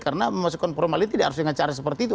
karena memasukkan formalin tidak harus dengan cara seperti itu